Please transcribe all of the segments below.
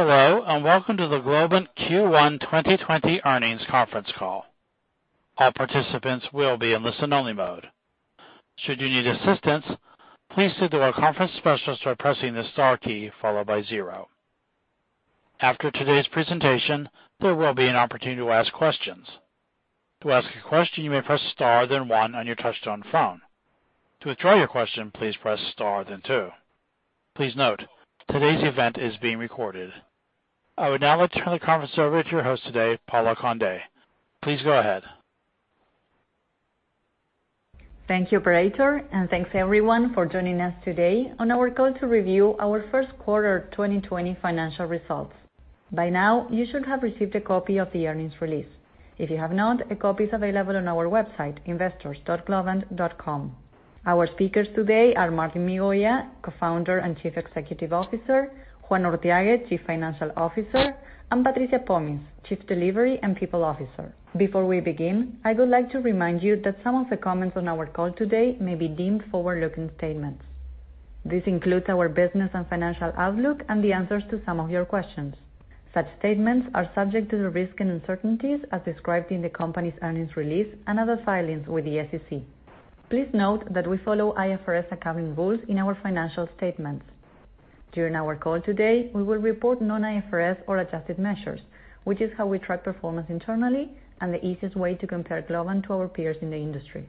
Hello, and welcome to the Globant Q1 2020 earnings conference call. All participants will be in listen only mode. Should you need assistance, please signal our conference specialist by pressing the star key followed by zero. After today's presentation, there will be an opportunity to ask questions. To ask a question, you may press star then one on your touchtone phone. To withdraw your question, please press star then two. Please note, today's event is being recorded. I would now like to turn the conference over to your host today, Paula Conde. Please go ahead. Thank you, operator, and thanks everyone for joining us today on our call to review our first quarter 2020 financial results. By now, you should have received a copy of the earnings release. If you have not, a copy is available on our website, investors.globant.com. Our speakers today are Martín Migoya, Co-founder and Chief Executive Officer, Juan Urthiague, Chief Financial Officer, and Patricia Pomies, Chief Delivery and People Officer. Before we begin, I would like to remind you that some of the comments on our call today may be deemed forward-looking statements. This includes our business and financial outlook and the answers to some of your questions. Such statements are subject to the risk and uncertainties as described in the company's earnings release and other filings with the SEC. Please note that we follow IFRS accounting rules in our financial statements. During our call today, we will report non-IFRS or adjusted measures, which is how we track performance internally and the easiest way to compare Globant to our peers in the industry.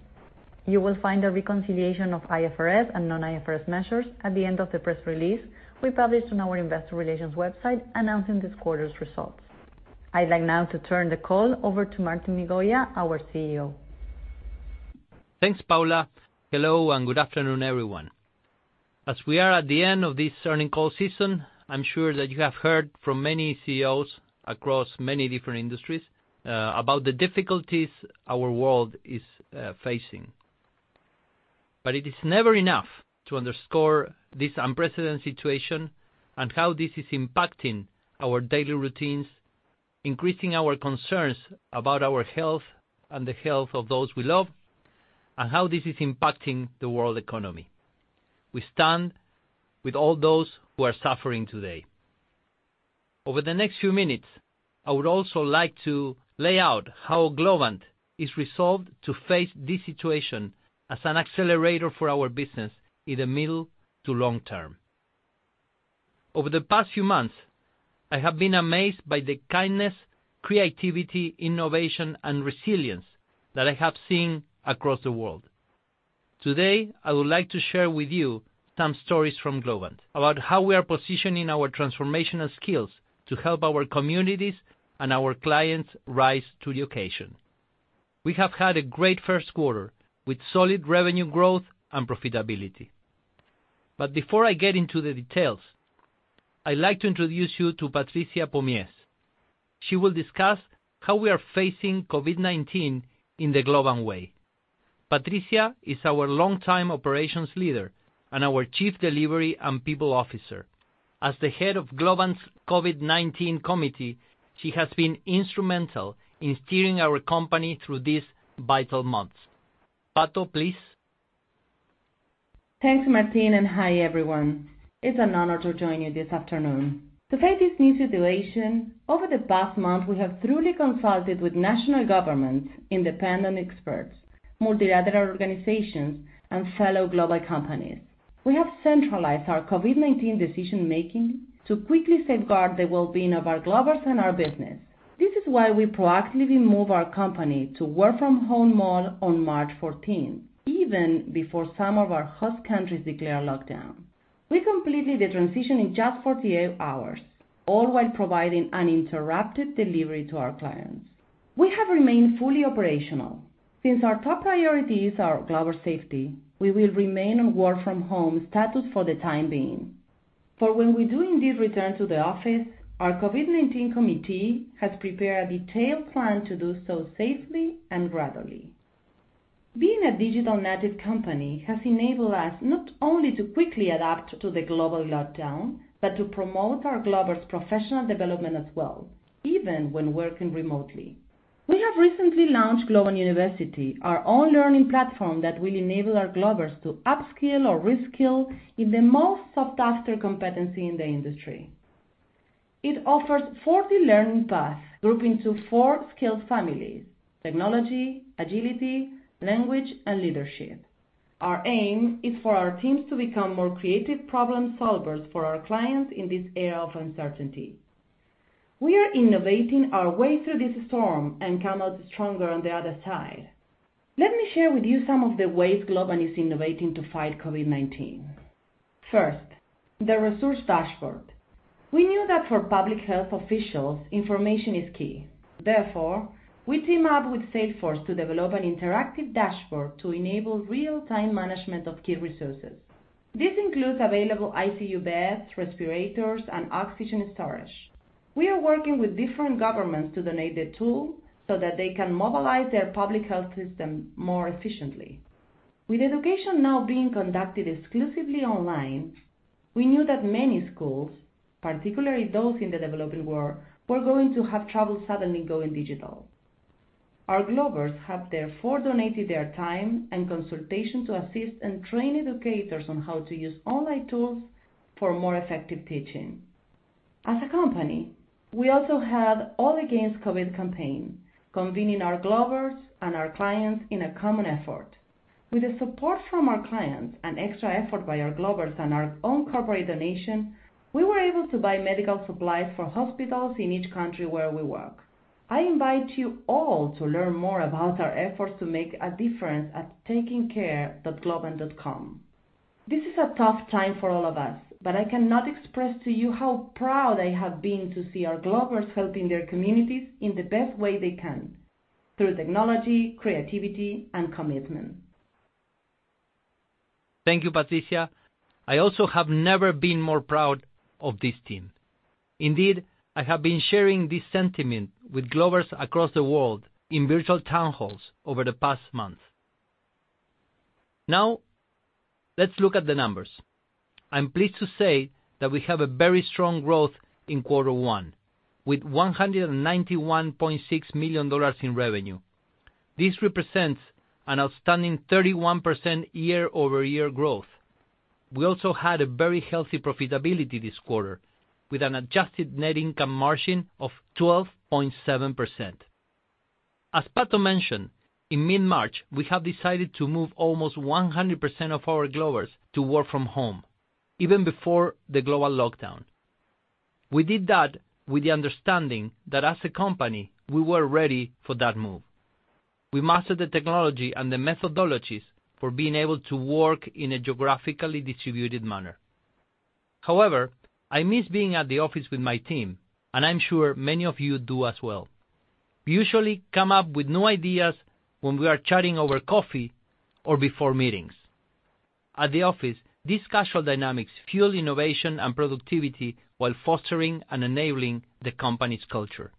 You will find a reconciliation of IFRS and non-IFRS measures at the end of the press release we published on our investor relations website announcing this quarter's results. I'd like now to turn the call over to Martín Migoya, our CEO. Thanks, Paula. Hello and good afternoon, everyone. As we are at the end of this earning call season, I'm sure that you have heard from many CEOs across many different industries, about the difficulties our world is facing. It is never enough to underscore this unprecedented situation and how this is impacting our daily routines, increasing our concerns about our health and the health of those we love, and how this is impacting the world economy. We stand with all those who are suffering today. Over the next few minutes, I would also like to lay out how Globant is resolved to face this situation as an accelerator for our business in the middle to long term. Over the past few months, I have been amazed by the kindness, creativity, innovation, and resilience that I have seen across the world. Today, I would like to share with you some stories from Globant about how we are positioning our transformational skills to help our communities and our clients rise to the occasion. We have had a great first quarter with solid revenue growth and profitability. Before I get into the details, I'd like to introduce you to Patricia Pomies. She will discuss how we are facing COVID-19 in the Globant way. Patricia is our longtime operations leader and our Chief Delivery and People Officer. As the head of Globant's COVID-19 committee, she has been instrumental in steering our company through these vital months. Pato, please. Thanks, Martín, and hi, everyone. It's an honor to join you this afternoon. To face this new situation, over the past month, we have truly consulted with national governments, independent experts, multilateral organizations and fellow global companies. We have centralized our COVID-19 decision-making to quickly safeguard the well-being of our Globers and our business. This is why we proactively moved our company to work from home model on March 14th, even before some of our host countries declared lockdown. We completed the transition in just 48 hours, all while providing uninterrupted delivery to our clients. We have remained fully operational. Since our top priority is our Globers' safety, we will remain on work from home status for the time being. For when we do indeed return to the office, our COVID-19 committee has prepared a detailed plan to do so safely and gradually. Being a digital-native company has enabled us not only to quickly adapt to the global lockdown, but to promote our Globers' professional development as well, even when working remotely. We have recently launched Globant University, our own learning platform that will enable our Globers to upskill or reskill in the most sought after competency in the industry. It offers 40 learning paths grouped into four skill families, technology, agility, language, and leadership. Our aim is for our teams to become more creative problem solvers for our clients in this era of uncertainty. We are innovating our way through this storm and come out stronger on the other side. Let me share with you some of the ways Globant is innovating to fight COVID-19. First, the resource dashboard. We knew that for public health officials, information is key. Therefore, we team up with Salesforce to develop an interactive dashboard to enable real time management of key resources. This includes available ICU beds, respirators, and oxygen storage. We are working with different governments to donate the tool so that they can mobilize their public health system more efficiently. With education now being conducted exclusively online, we knew that many schools, particularly those in the developing world, were going to have trouble suddenly going digital Our Globers have therefore donated their time and consultation to assist and train educators on how to use online tools for more effective teaching. As a company, we also have All Against COVID campaign, convening our Globers and our clients in a common effort. With the support from our clients and extra effort by our Globers and our own corporate donation, we were able to buy medical supplies for hospitals in each country where we work. I invite you all to learn more about our efforts to make a difference at takingcare.globant.com. This is a tough time for all of us, but I cannot express to you how proud I have been to see our Globers helping their communities in the best way they can, through technology, creativity, and commitment. Thank you, Patricia. I also have never been more proud of this team. Indeed, I have been sharing this sentiment with Globers across the world in virtual town halls over the past month. Now, let's look at the numbers. I'm pleased to say that we have a very strong growth in quarter one, with $191.6 million in revenue. This represents an outstanding 31% year-over-year growth. We also had a very healthy profitability this quarter, with an adjusted net income margin of 12.7%. As Pato mentioned, in mid-March, we have decided to move almost 100% of our Globers to work from home, even before the global lockdown. We did that with the understanding that as a company, we were ready for that move. We mastered the technology and the methodologies for being able to work in a geographically distributed manner. However, I miss being at the office with my team, and I'm sure many of you do as well. We usually come up with new ideas when we are chatting over coffee or before meetings. At the office, these casual dynamics fuel innovation and productivity while fostering and enabling the company's culture.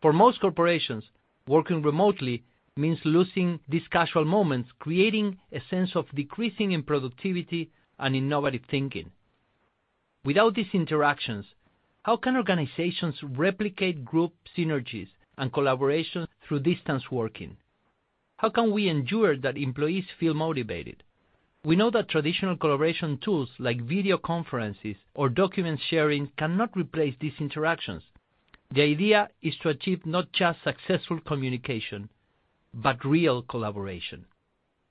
For most corporations, working remotely means losing these casual moments, creating a sense of decreasing in productivity and innovative thinking. Without these interactions, how can organizations replicate group synergies and collaboration through distance working? How can we ensure that employees feel motivated? We know that traditional collaboration tools like video conferences or document sharing cannot replace these interactions. The idea is to achieve not just successful communication, but real collaboration.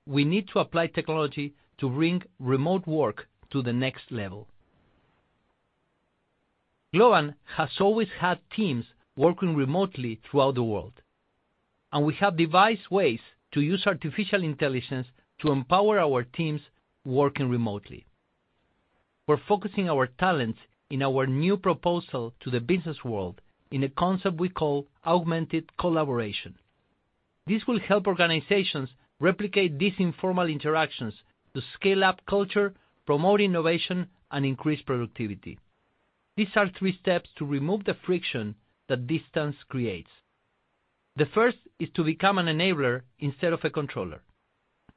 We need to apply technology to bring remote work to the next level. Globant has always had teams working remotely throughout the world, and we have devised ways to use artificial intelligence to empower our teams working remotely. We're focusing our talents in our new proposal to the business world in a concept we call augmented collaboration. This will help organizations replicate these informal interactions to scale up culture, promote innovation, and increase productivity. These are three steps to remove the friction that distance creates. The first is to become an enabler instead of a controller.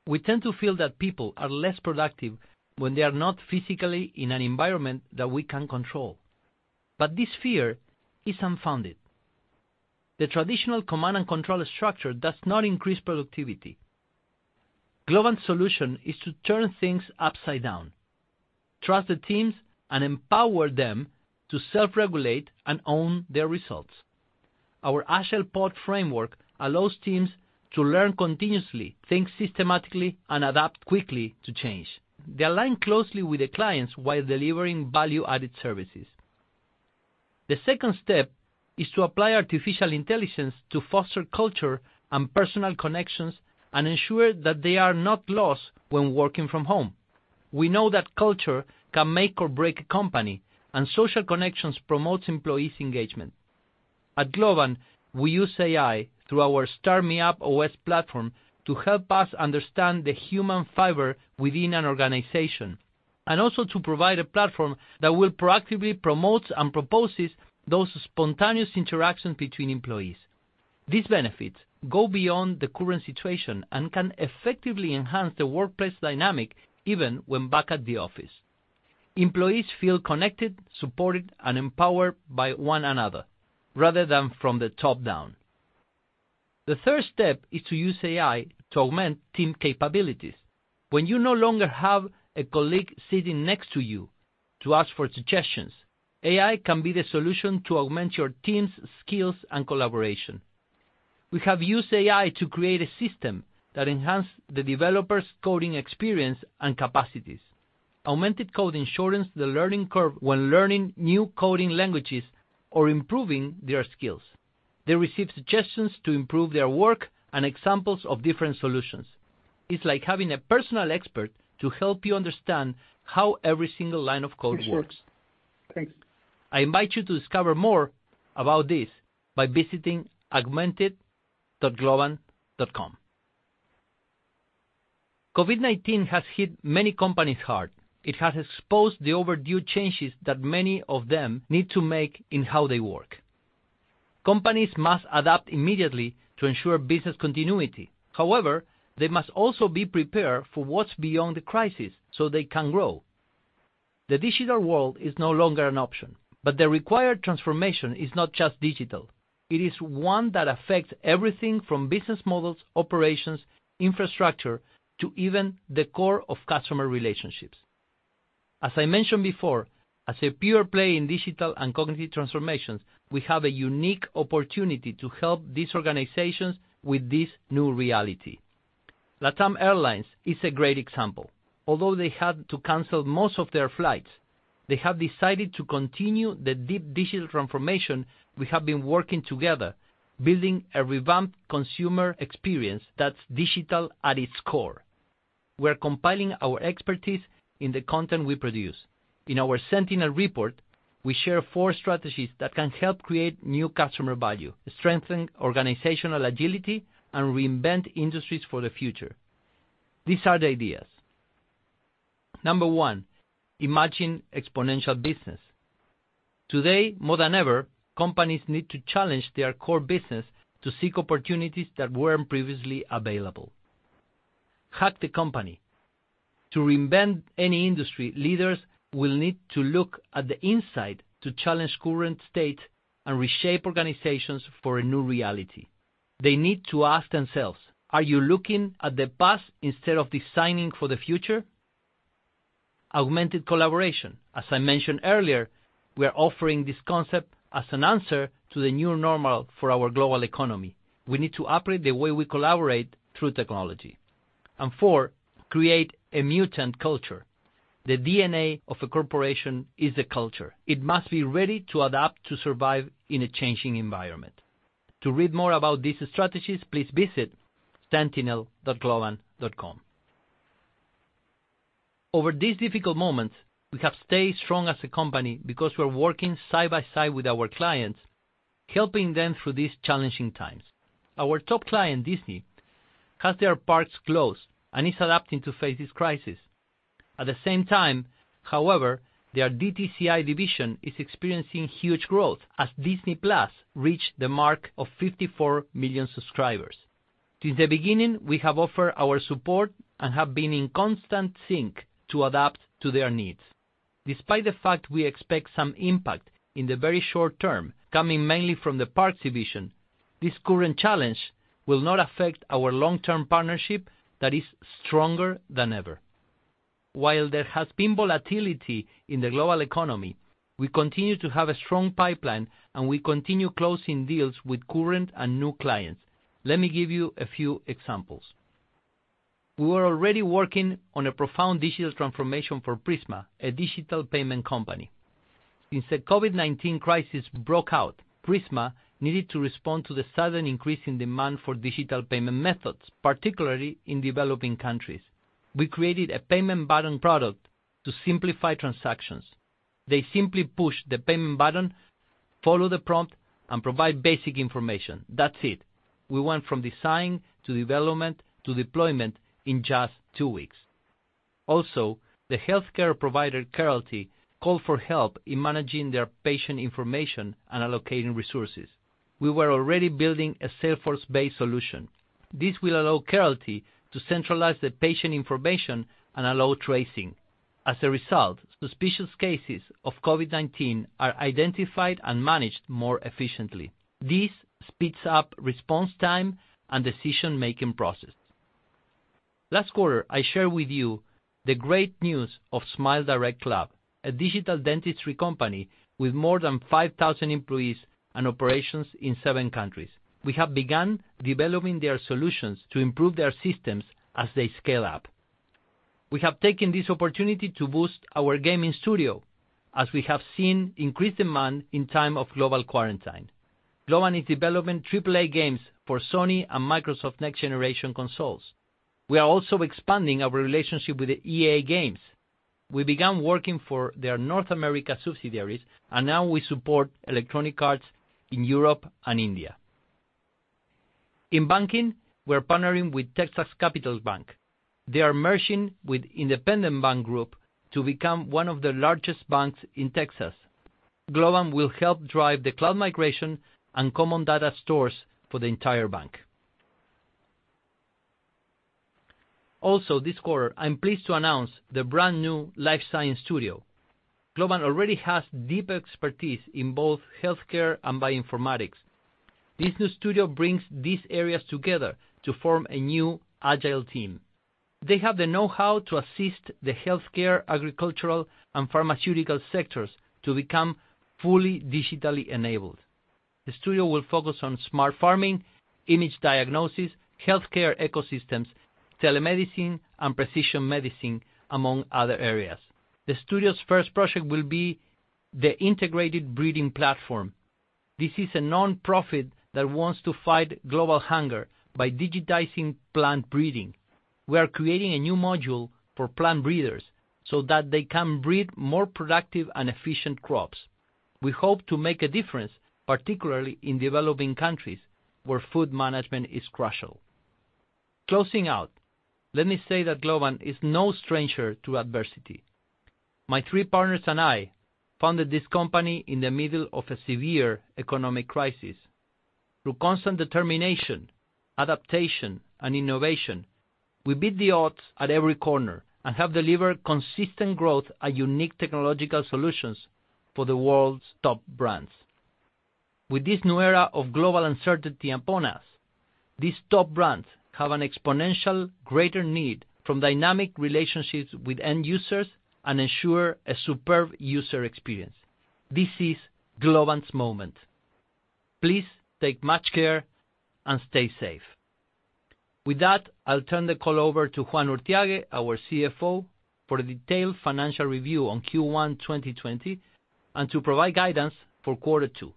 We tend to feel that people are less productive when they are not physically in an environment that we can control, but this fear is unfounded. The traditional command and control structure does not increase productivity. Globant's solution is to turn things upside down, trust the teams, and empower them to self-regulate and own their results. Our Agile POD framework allows teams to learn continuously, think systematically, and adapt quickly to change. They align closely with the clients while delivering value-added services. The second step is to apply artificial intelligence to foster culture and personal connections and ensure that they are not lost when working from home. We know that culture can make or break a company, social connections promote employees' engagement. At Globant, we use AI through our StarMeUp OS platform to help us understand the human fiber within an organization, and also to provide a platform that will proactively promote and propose those spontaneous interactions between employees. These benefits go beyond the current situation and can effectively enhance the workplace dynamic, even when back at the office. Employees feel connected, supported, and empowered by one another, rather than from the top down. The third step is to use AI to augment team capabilities. When you no longer have a colleague sitting next to you to ask for suggestions, AI can be the solution to augment your team's skills and collaboration. We have used AI to create a system that enhances the developers' coding experience and capacities. Augmented Coding shortens the learning curve when learning new coding languages or improving their skills. They receive suggestions to improve their work and examples of different solutions. It's like having a personal expert to help you understand how every single line of code works. Thanks. I invite you to discover more about this by visiting augmented.globant.com. COVID-19 has hit many companies hard. It has exposed the overdue changes that many of them need to make in how they work. Companies must adapt immediately to ensure business continuity. However, they must also be prepared for what's beyond the crisis so they can grow. The digital world is no longer an option. The required transformation is not just digital. It is one that affects everything from business models, operations, infrastructure, to even the core of customer relationships. As I mentioned before, as a pure play in digital and cognitive transformations, we have a unique opportunity to help these organizations with this new reality. LATAM Airlines is a great example. Although they had to cancel most of their flights, they have decided to continue the deep digital transformation we have been working together, building a revamped consumer experience that's digital at its core. We're compiling our expertise in the content we produce. In our Sentinel Report, we share four strategies that can help create new customer value, strengthen organizational agility, and reinvent industries for the future. These are the ideas. Number one, imagine exponential business. Today, more than ever, companies need to challenge their core business to seek opportunities that weren't previously available. Hack the company. To reinvent any industry, leaders will need to look at the inside to challenge current state and reshape organizations for a new reality. They need to ask themselves, "Are you looking at the past instead of designing for the future?" Augmented collaboration. As I mentioned earlier, we are offering this concept as an answer to the new normal for our global economy. We need to operate the way we collaborate through technology. Four: create a mutant culture. The DNA of a corporation is the culture. It must be ready to adapt to survive in a changing environment. To read more about these strategies, please visit sentinel.globant.com. Over these difficult moments, we have stayed strong as a company because we're working side by side with our clients, helping them through these challenging times. Our top client, Disney, has their parks closed and is adapting to face this crisis. At the same time, however, their DTCI division is experiencing huge growth as Disney+ reached the mark of 54 million subscribers. Since the beginning, we have offered our support and have been in constant sync to adapt to their needs. Despite the fact we expect some impact in the very short term coming mainly from the parks division, this current challenge will not affect our long-term partnership that is stronger than ever. There has been volatility in the global economy, we continue to have a strong pipeline, and we continue closing deals with current and new clients. Let me give you a few examples. We were already working on a profound digital transformation for Prisma, a digital payment company. Since the COVID-19 crisis broke out, Prisma needed to respond to the sudden increase in demand for digital payment methods, particularly in developing countries. We created a payment button product to simplify transactions. They simply push the payment button, follow the prompt, and provide basic information. That's it. We went from design to development to deployment in just two weeks. Also, the healthcare provider, Keralty, called for help in managing their patient information and allocating resources. We were already building a Salesforce-based solution. This will allow Keralty to centralize the patient information and allow tracing. As a result, suspicious cases of COVID-19 are identified and managed more efficiently. This speeds up response time and decision-making process. Last quarter, I shared with you the great news of SmileDirectClub, a digital dentistry company with more than 5,000 employees and operations in seven countries. We have begun developing their solutions to improve their systems as they scale up. We have taken this opportunity to boost our gaming studio as we have seen increased demand in time of global quarantine. Globant is development AAA games for Sony and Microsoft next-generation consoles. We are also expanding our relationship with the EA Games. We began working for their North America subsidiaries. Now we support Electronic Arts in Europe and India. In banking, we're partnering with Texas Capital Bank. They are merging with Independent Bank Group to become one of the largest banks in Texas. Globant will help drive the cloud migration and common data stores for the entire bank. Also this quarter, I'm pleased to announce the brand new Life Sciences Studio. Globant already has deep expertise in both healthcare and bioinformatics. This new studio brings these areas together to form a new agile team. They have the know-how to assist the healthcare, agricultural, and pharmaceutical sectors to become fully digitally enabled. The studio will focus on smart farming, image diagnosis, healthcare ecosystems, telemedicine, and precision medicine, among other areas. The studio's first project will be the Integrated Breeding Platform. This is a nonprofit that wants to fight global hunger by digitizing plant breeding. We are creating a new module for plant breeders so that they can breed more productive and efficient crops. We hope to make a difference, particularly in developing countries where food management is crucial. Closing out, let me say that Globant is no stranger to adversity. My three partners and I founded this company in the middle of a severe economic crisis. Through constant determination, adaptation, and innovation, we beat the odds at every corner and have delivered consistent growth and unique technological solutions for the world's top brands. With this new era of global uncertainty upon us, these top brands have an exponentially greater need for dynamic relationships with end users and ensure a superb user experience. This is Globant's moment. Please take much care and stay safe. With that, I'll turn the call over to Juan Urthiague, our CFO, for a detailed financial review on Q1 2020 and to provide guidance for quarter two.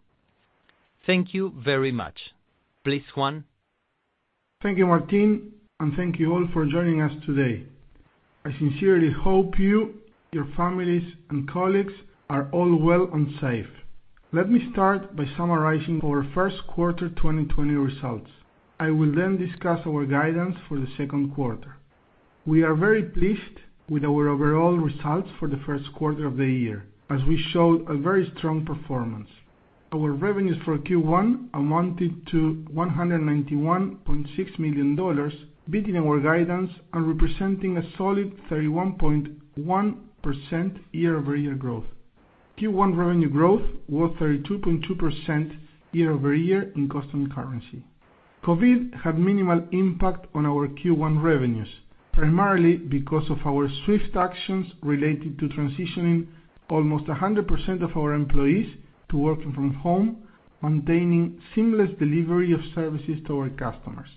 Thank you very much. Please, Juan. Thank you, Martín, and thank you all for joining us today. I sincerely hope you, your families, and colleagues are all well and safe. Let me start by summarizing our first quarter 2020 results. I will then discuss our guidance for the second quarter. We are very pleased with our overall results for the first quarter of the year, as we showed a very strong performance. Our revenues for Q1 amounted to $191.6 million, beating our guidance and representing a solid 31.1% year-over-year growth. Q1 revenue growth was 32.2% year-over-year in constant currency. COVID had minimal impact on our Q1 revenues, primarily because of our swift actions related to transitioning almost 100% of our employees to working from home, maintaining seamless delivery of services to our customers.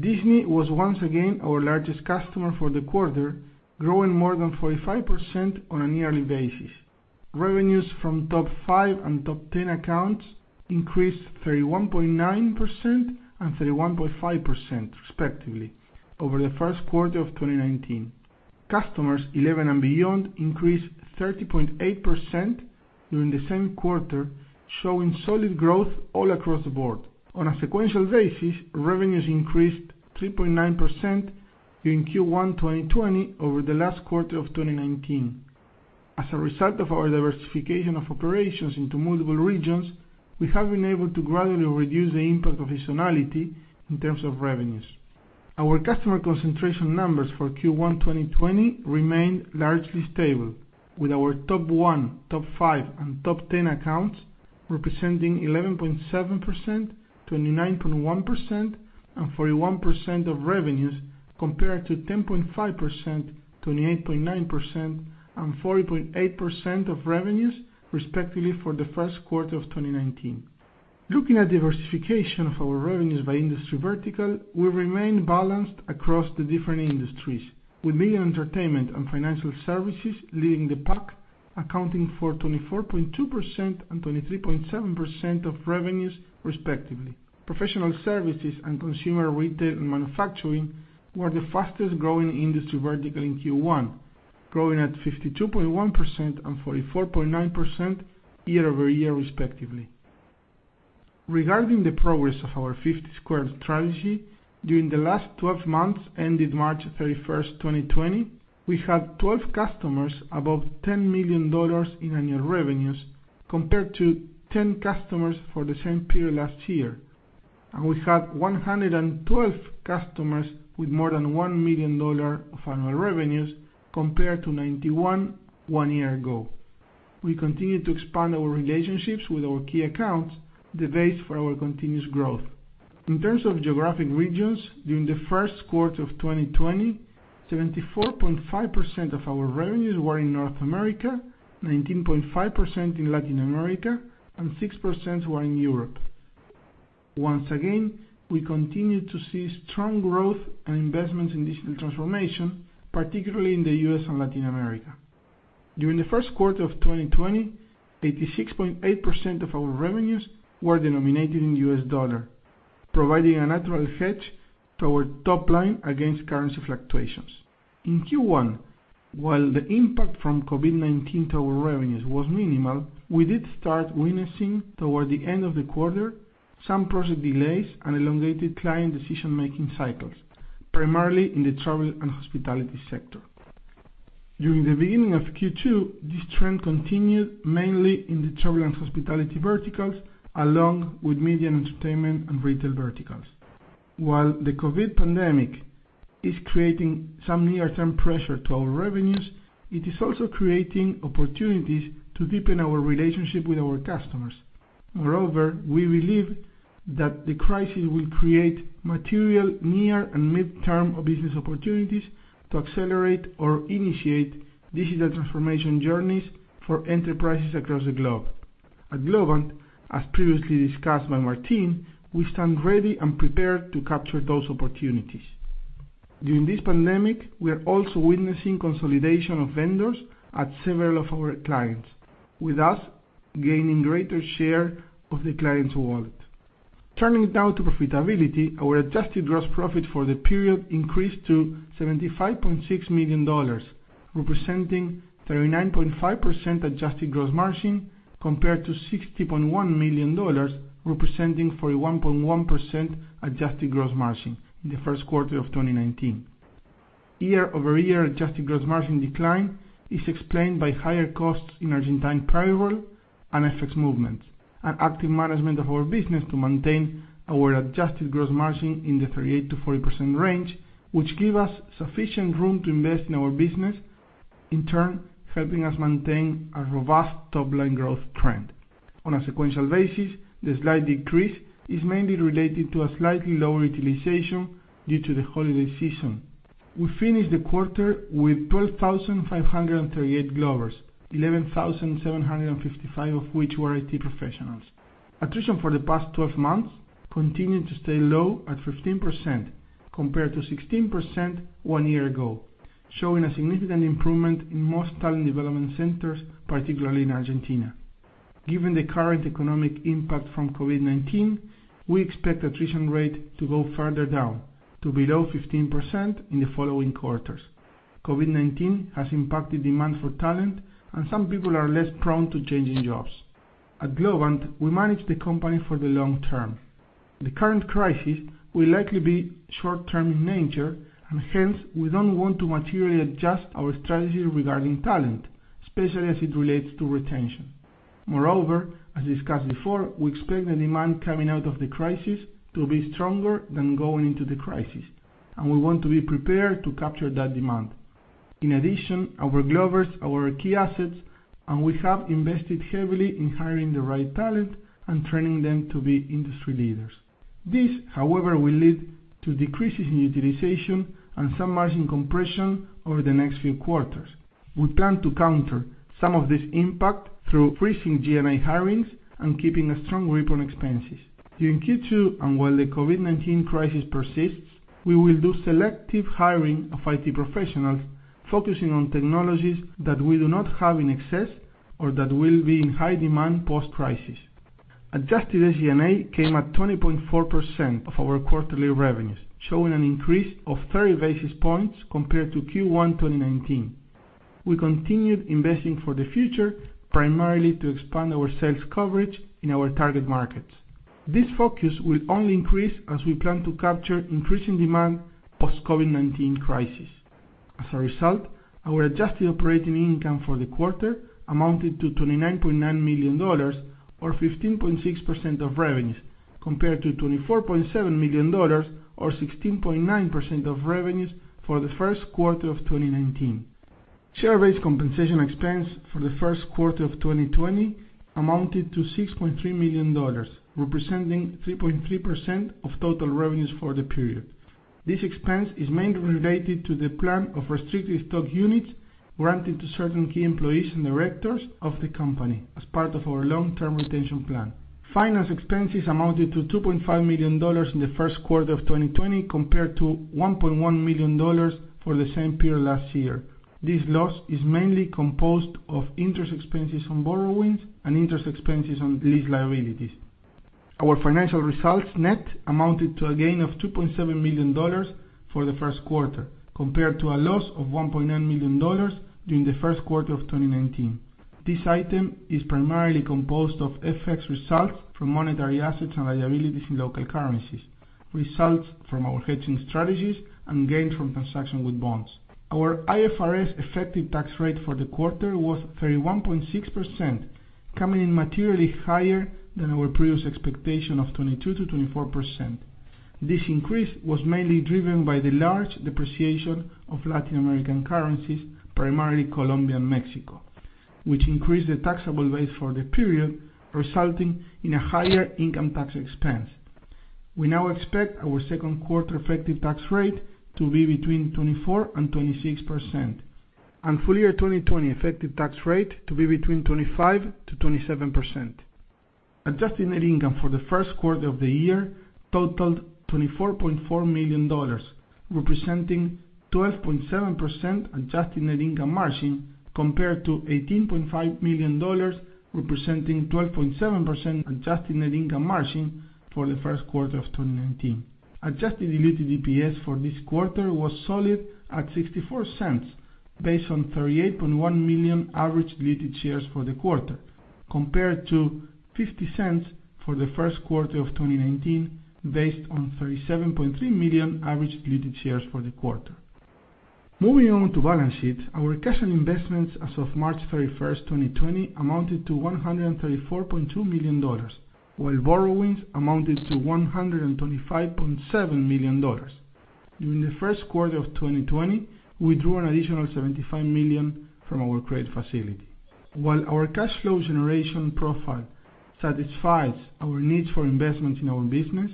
Disney was once again our largest customer for the quarter, growing more than 45% on a yearly basis. Revenues from top 5 and top 10 accounts increased 31.9% and 31.5%, respectively, over the first quarter of 2019. Customers 11 and beyond increased 30.8% during the same quarter, showing solid growth all across the board. On a sequential basis, revenues increased 3.9% during Q1 2020 over the last quarter of 2019. As a result of our diversification of operations into multiple regions, we have been able to gradually reduce the impact of seasonality in terms of revenues. Our customer concentration numbers for Q1 2020 remained largely stable with our top 1, top 5, and top 10 accounts representing 11.7%, 29.1%, and 41% of revenues, compared to 10.5%, 28.9%, and 40.8% of revenues, respectively, for the first quarter of 2019. Looking at diversification of our revenues by industry vertical, we remain balanced across the different industries, with media and entertainment and financial services leading the pack, accounting for 24.2% and 23.7% of revenues, respectively. Professional services and consumer retail and manufacturing were the fastest-growing industry vertical in Q1, growing at 52.1% and 44.9% year-over-year, respectively. Regarding the progress of our 50-Squared strategy, during the last 12 months ended March 31st, 2020, we had 12 customers above $10 million in annual revenues, compared to 10 customers for the same period last year. We had 112 customers with more than $1 million of annual revenues, compared to 91 one year ago. We continue to expand our relationships with our key accounts, the base for our continuous growth. In terms of geographic regions, during the first quarter of 2020, 74.5% of our revenues were in North America, 19.5% in Latin America, and 6% were in Europe. Once again, we continue to see strong growth and investments in digital transformation, particularly in the U.S. and Latin America. During the first quarter of 2020, 86.8% of our revenues were denominated in U.S. dollar, providing a natural hedge to our top line against currency fluctuations. In Q1, while the impact from COVID-19 to our revenues was minimal, we did start witnessing toward the end of the quarter some project delays and elongated client decision-making cycles, primarily in the travel and hospitality sector. During the beginning of Q2, this trend continued mainly in the travel and hospitality verticals, along with media and entertainment and retail verticals. While the COVID-19 pandemic is creating some near-term pressure to our revenues, it is also creating opportunities to deepen our relationship with our customers. Moreover, we believe that the crisis will create material near and mid-term business opportunities to accelerate or initiate digital transformation journeys for enterprises across the globe. At Globant, as previously discussed by Martín, we stand ready and prepared to capture those opportunities. During this pandemic, we are also witnessing consolidation of vendors at several of our clients, with us gaining a greater share of the client's wallet. Turning now to profitability, our adjusted gross profit for the period increased to $75.6 million, representing 39.5% adjusted gross margin, compared to $60.1 million, representing 41.1% adjusted gross margin in the first quarter of 2019. Year-over-year adjusted gross margin decline is explained by higher costs in Argentine payroll and FX movements, and active management of our business to maintain our adjusted gross margin in the 38%-40% range, which give us sufficient room to invest in our business, in turn, helping us maintain a robust top-line growth trend. On a sequential basis, the slight decrease is mainly related to a slightly lower utilization due to the holiday season. We finished the quarter with 12,538 Globers, 11,755 of which were IT professionals. Attrition for the past 12 months continued to stay low at 15%, compared to 16% one year ago, showing a significant improvement in most talent development centers, particularly in Argentina. Given the current economic impact from COVID-19, we expect attrition rate to go further down to below 15% in the following quarters. COVID-19 has impacted demand for talent, and some people are less prone to changing jobs. At Globant, we manage the company for the long term. The current crisis will likely be short-term in nature, and hence, we don't want to materially adjust our strategy regarding talent, especially as it relates to retention. Moreover, as discussed before, we expect the demand coming out of the crisis to be stronger than going into the crisis, and we want to be prepared to capture that demand. In addition, our Globers are our key assets, and we have invested heavily in hiring the right talent and training them to be industry leaders. This, however, will lead to decreases in utilization and some margin compression over the next few quarters. We plan to counter some of this impact through freezing G&A hirings and keeping a strong grip on expenses. During Q2, and while the COVID-19 crisis persists, we will do selective hiring of IT professionals focusing on technologies that we do not have in excess or that will be in high demand post-crisis. Adjusted SG&A came at 20.4% of our quarterly revenues, showing an increase of 30 basis points compared to Q1 2019. We continued investing for the future, primarily to expand our sales coverage in our target markets. This focus will only increase as we plan to capture increasing demand post-COVID-19 crisis. As a result, our adjusted operating income for the quarter amounted to $29.9 million, or 15.6% of revenues, compared to $24.7 million, or 16.9% of revenues for the first quarter of 2019. Share-based compensation expense for the first quarter of 2020 amounted to $6.3 million, representing 3.3% of total revenues for the period. This expense is mainly related to the plan of restricted stock units granted to certain key employees and directors of the company as part of our long-term retention plan. Finance expenses amounted to $2.5 million in the first quarter of 2020, compared to $1.1 million for the same period last year. This loss is mainly composed of interest expenses on borrowings and interest expenses on lease liabilities. Our financial results net amounted to a gain of $2.7 million for the first quarter, compared to a loss of $1.9 million during the first quarter of 2019. This item is primarily composed of FX results from monetary assets and liabilities in local currencies, results from our hedging strategies, and gains from transaction with bonds. Our IFRS effective tax rate for the quarter was 31.6%, coming in materially higher than our previous expectation of 22%-24%. This increase was mainly driven by the large depreciation of Latin American currencies, primarily Colombia and Mexico, which increased the taxable base for the period, resulting in a higher income tax expense. We now expect our second quarter effective tax rate to be between 24% and 26%, and full year 2020 effective tax rate to be between 25%-27%. Adjusted net income for the first quarter of the year totaled $24.4 million, representing 12.7% adjusted net income margin compared to $18.5 million representing 12.7% adjusted net income margin for the first quarter of 2019. Adjusted diluted EPS for this quarter was solid at $0.64 based on 38.1 million average diluted shares for the quarter, compared to $0.50 for the first quarter of 2019, based on 37.3 million average diluted shares for the quarter. Moving on to balance sheet, our cash and investments as of March 31st, 2020 amounted to $134.2 million, while borrowings amounted to $125.7 million. During the first quarter of 2020, we drew an additional $75 million from our credit facility. While our cash flow generation profile satisfies our needs for investment in our business,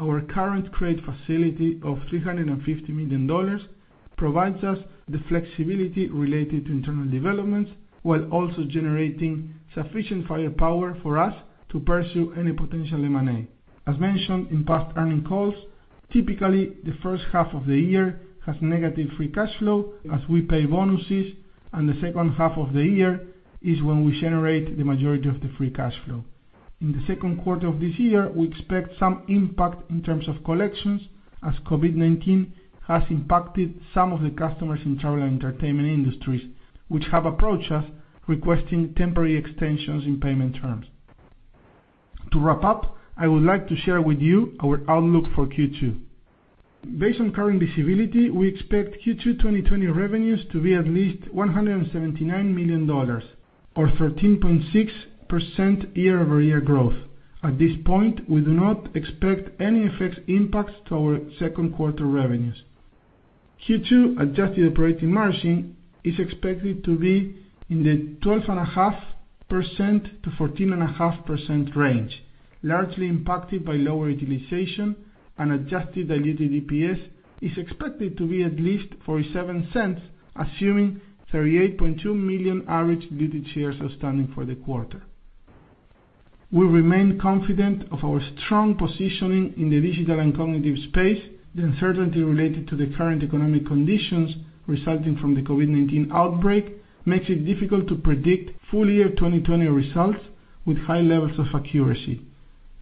our current credit facility of $350 million provides us the flexibility related to internal developments, while also generating sufficient firepower for us to pursue any potential M&A. As mentioned in past earnings calls, typically the first half of the year has negative free cash flow as we pay bonuses, and the second half of the year is when we generate the majority of the free cash flow. In the second quarter of this year, we expect some impact in terms of collections as COVID-19 has impacted some of the customers in travel and entertainment industries, which have approached us requesting temporary extensions in payment terms. To wrap up, I would like to share with you our outlook for Q2. Based on current visibility, we expect Q2 2020 revenues to be at least $179 million, or 13.6% year-over-year growth. At this point, we do not expect any FX impacts to our second quarter revenues. Q2 adjusted operating margin is expected to be in the 12.5%-14.5% range, largely impacted by lower utilization and adjusted diluted EPS is expected to be at least $0.47, assuming 38.2 million average diluted shares outstanding for the quarter. We remain confident of our strong positioning in the digital and cognitive space. The uncertainty related to the current economic conditions resulting from the COVID-19 outbreak makes it difficult to predict full year 2020 results with high levels of accuracy.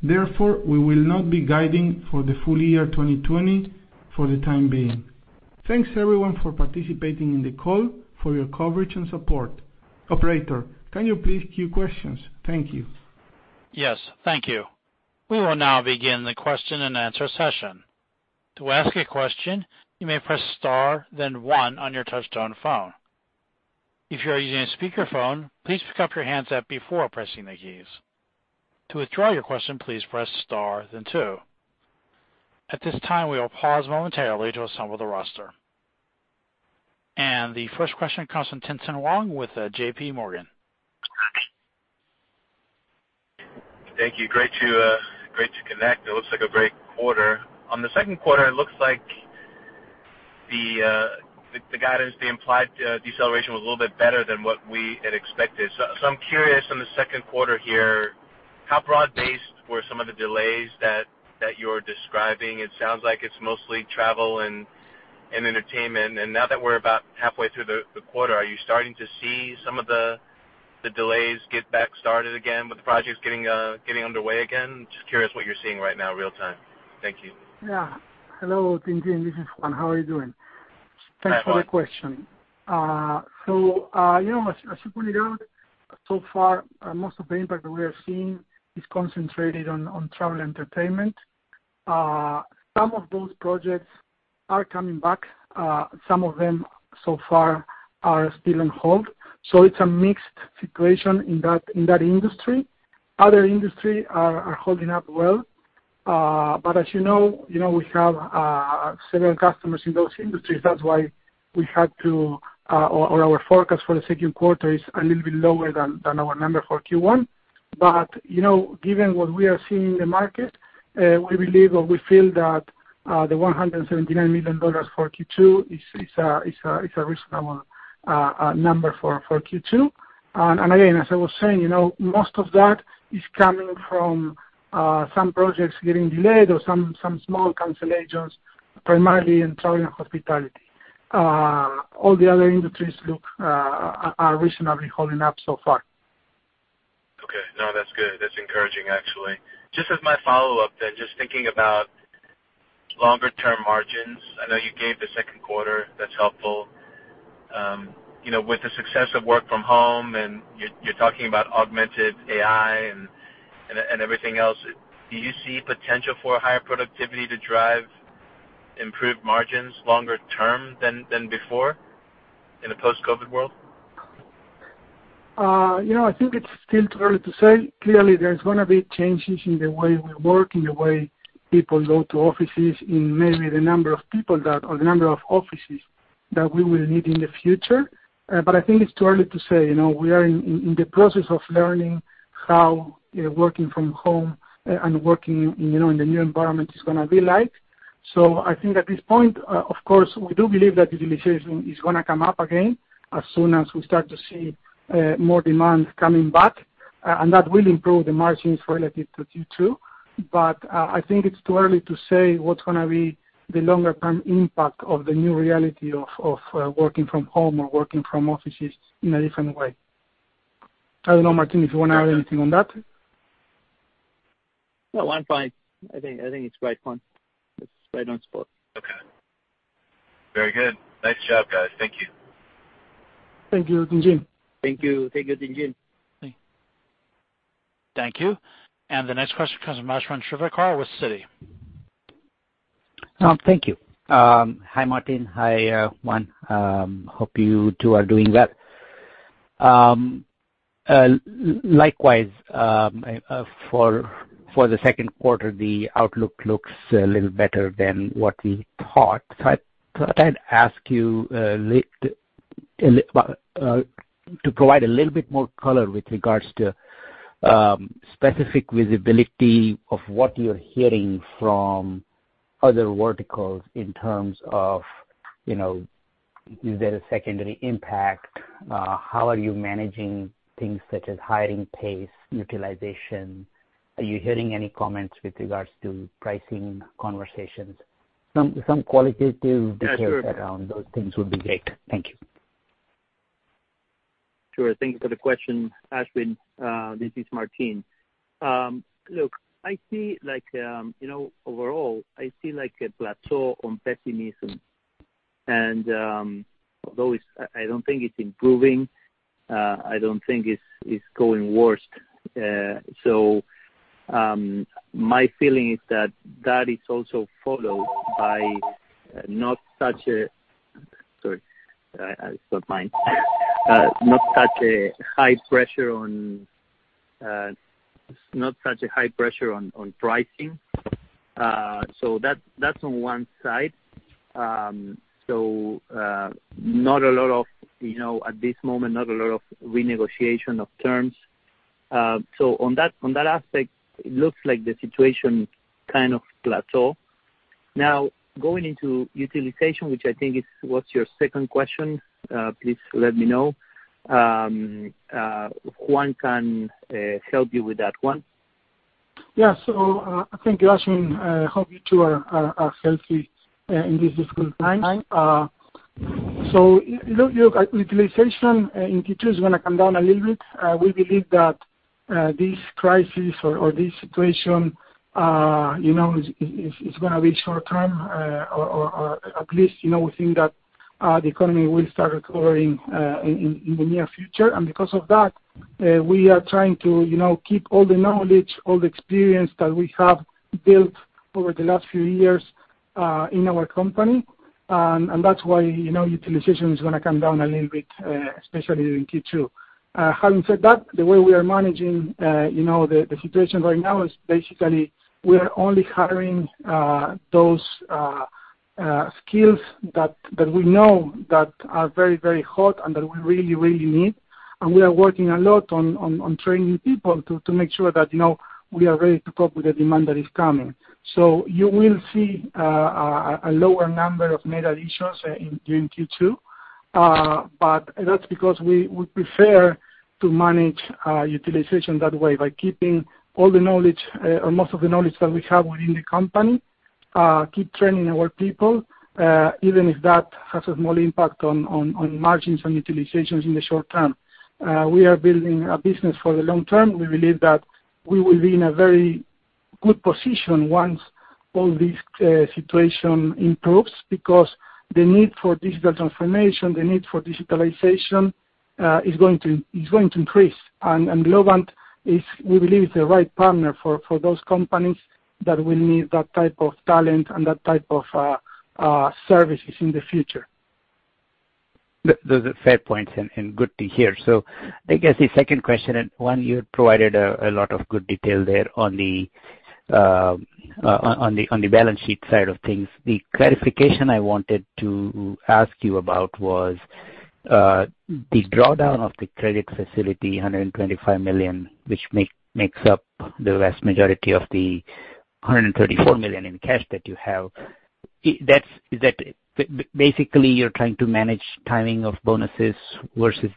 Therefore, we will not be guiding for the full year 2020 for the time being. Thanks, everyone, for participating in the call, for your coverage and support. Operator, can you please queue questions? Thank you. Yes. Thank you. We will now begin the question and answer session. To ask a question, you may press star then one on your touchtone phone. If you are using a speakerphone, please pick up your handset before pressing the keys. To withdraw your question, please press star then two. At this time, we will pause momentarily to assemble the roster. The first question comes from Tien-Tsin Huang with J.P. Morgan. Thank you. Great to connect. It looks like a great quarter. On the second quarter, it looks like the guidance, the implied deceleration, was a little bit better than what we had expected. I'm curious, on the second quarter here, how broad-based were some of the delays that you're describing? It sounds like it's mostly travel and entertainment. Now that we're about halfway through the quarter, are you starting to see some of the delays get back started again with the projects getting underway again? Just curious what you're seeing right now real-time. Thank you. Yeah. Hello, Tien-Tsin. This is Juan. How are you doing? Hi, Juan. Thanks for the question. As you pointed out, so far, most of the impact that we are seeing is concentrated on travel and entertainment. Some of those projects are coming back. Some of them so far are still on hold. It's a mixed situation in that industry. Other industry are holding up well. As you know, we have several customers in those industries. That's why our forecast for the second quarter is a little bit lower than our number for Q1. Given what we are seeing in the market, we believe or we feel that the $179 million for Q2 is a reasonable number for Q2. Again, as I was saying, most of that is coming from some projects getting delayed or some small cancellations, primarily in travel and hospitality. All the other industries are reasonably holding up so far. Okay. No, that's good. That's encouraging, actually. Just as my follow-up, just thinking about longer-term margins. I know you gave the second quarter. That's helpful. With the success of work from home and you're talking about augmented AI and everything else, do you see potential for higher productivity to drive improved margins longer term than before in a post-COVID world? I think it's still too early to say. Clearly, there's going to be changes in the way we work, in the way people go to offices, in maybe the number of people that, or the number of offices that we will need in the future. I think it's too early to say. We are in the process of learning how working from home and working in the new environment is going to be like. I think at this point, of course, we do believe that utilization is going to come up again as soon as we start to see more demand coming back, and that will improve the margins relative to Q2. I think it's too early to say what's going to be the longer-term impact of the new reality of working from home or working from offices in a different way. I don't know, Martín, if you want to add anything on that. No, I'm fine. I think it's great, Juan. It's right on spot. Okay. Very good. Nice job, guys. Thank you. Thank you, Tien-Tsin. Thank you. Thank you, Tien-Tsin. Thank you. The next question comes from Ashwin Shirvaikar with Citi. Thank you. Hi, Martín. Hi, Juan. Hope you two are doing well. Likewise, for the second quarter, the outlook looks a little better than what we thought. I thought I'd ask you to provide a little bit more color with regards to specific visibility of what you're hearing from other verticals in terms of, is there a secondary impact? How are you managing things such as hiring pace, utilization? Are you hearing any comments with regards to pricing conversations? Some qualitative details. Yeah, sure. around those things would be great. Thank you. Sure. Thank you for the question, Ashwin. This is Martín. Look, overall, I see a plateau on pessimism. Although I don't think it's improving, I don't think it's going worse. My feeling is that that is also followed by not such a high pressure on pricing. That's on one side. At this moment, not a lot of renegotiation of terms. On that aspect, it looks like the situation kind of plateau. Now, going into utilization, which I think is what's your second question, please let me know. Juan can help you with that one. Yeah. Thank you, Ashwin. I hope you two are healthy in this difficult time. Utilization in Q2 is going to come down a little bit. We believe that this crisis or this situation is going to be short-term, or at least, we think that the economy will start recovering in the near future. Because of that, we are trying to keep all the knowledge, all the experience that we have built over the last few years in our company. That's why utilization is going to come down a little bit, especially in Q2. Having said that, the way we are managing the situation right now is basically we are only hiring those skills that we know are very hot and that we really need. We are working a lot on training people to make sure that we are ready to cope with the demand that is coming. You will see a lower number of net additions during Q2. That's because we prefer to manage utilization that way, by keeping all the knowledge or most of the knowledge that we have within the company, keep training our people, even if that has a small impact on margins and utilizations in the short term. We are building a business for the long term. We believe that we will be in a very good position once all this situation improves, because the need for digital transformation, the need for digitalization, is going to increase. Globant, we believe, is the right partner for those companies that will need that type of talent and that type of services in the future. Those are fair points and good to hear. I guess the second question, Juan, you provided a lot of good detail there on the balance sheet side of things. The clarification I wanted to ask you about was the drawdown of the credit facility, $125 million, which makes up the vast majority of the $134 million in cash that you have. Basically, you're trying to manage timing of bonuses versus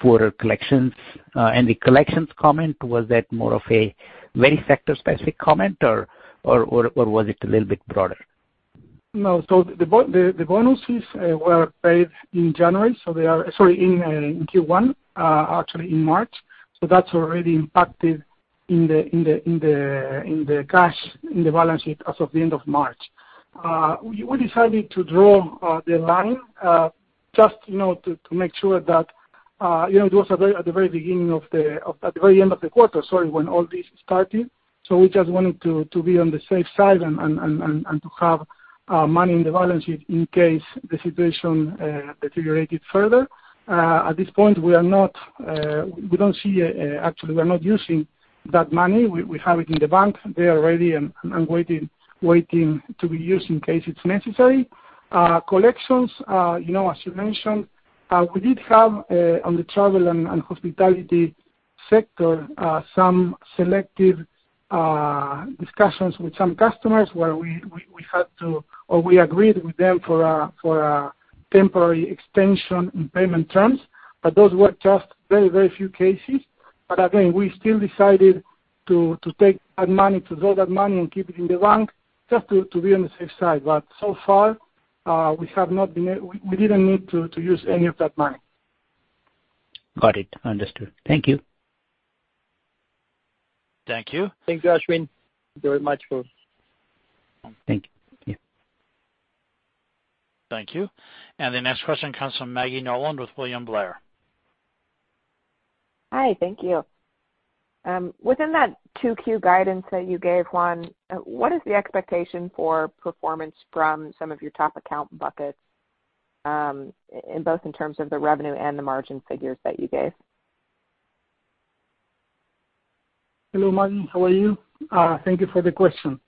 poorer collections. The collections comment, was that more of a very sector-specific comment or was it a little bit broader? No. The bonuses were paid in January, sorry, in Q1, actually in March. That's already impacted in the cash in the balance sheet as of the end of March. We decided to draw the line just to make sure that it was at the very end of the quarter, when all this started. We just wanted to be on the safe side and to have money in the balance sheet in case the situation deteriorated further. At this point, we are not using that money. We have it in the bank. They are ready and waiting to be used in case it's necessary. Collections, as you mentioned, we did have on the travel and hospitality sector, some selective discussions with some customers where we had to, or we agreed with them for a temporary extension in payment terms. Those were just very few cases. Again, we still decided to take that money, to draw that money and keep it in the bank just to be on the safe side. So far, we didn't need to use any of that money. Got it. Understood. Thank you. Thank you. Thanks, Ashwin, very much for Thank you. Thank you. The next question comes from Maggie Nolan with William Blair. Hi, thank you. Within that 2Q guidance that you gave, Juan, what is the expectation for performance from some of your top account buckets, both in terms of the revenue and the margin figures that you gave? Hello, Maggie. How are you? Thank you for the question.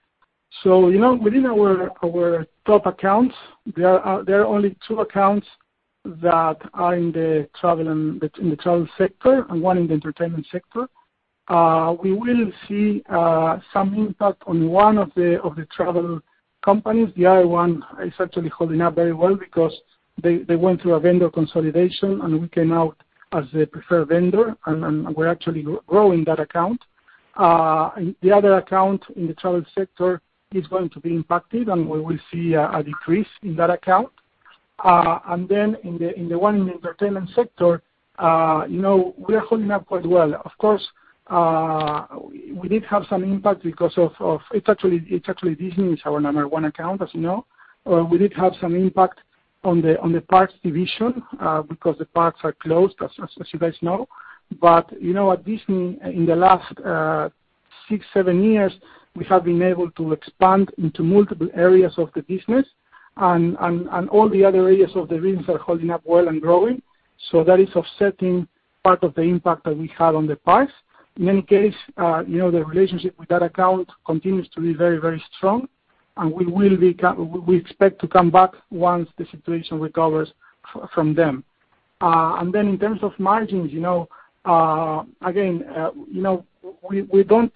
Within our top accounts, there are only two accounts that are in the travel sector and one in the entertainment sector. We will see some impact on one of the travel companies. The other one is actually holding up very well because they went through a vendor consolidation, and we came out as the preferred vendor, and we're actually growing that account. The other account in the travel sector is going to be impacted, and we will see a decrease in that account. In the one in the entertainment sector, we are holding up quite well. Of course, we did have some impact. It's actually Disney, it's our number one account, as you know. We did have some impact on the parks division, because the parks are closed, as you guys know. In the last six, seven years, we have been able to expand into multiple areas of the business, and all the other areas of the business are holding up well and growing. That is offsetting part of the impact that we had on the parts. In any case, the relationship with that account continues to be very strong, and we expect to come back once the situation recovers from them. In terms of margins, again, we don't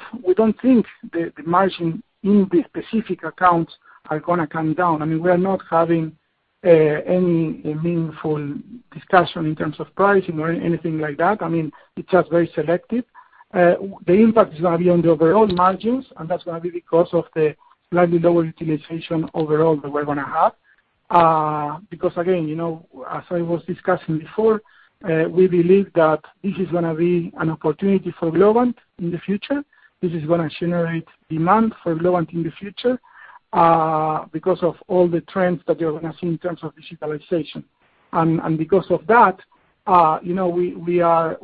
think the margin in the specific accounts are going to come down. We are not having any meaningful discussion in terms of pricing or anything like that. It's just very selective. The impact is going to be on the overall margins, and that's going to be because of the slightly lower utilization overall that we're going to have. Because again, as I was discussing before, we believe that this is going to be an opportunity for Globant in the future. This is going to generate demand for Globant in the future because of all the trends that we are going to see in terms of digitalization. Because of that,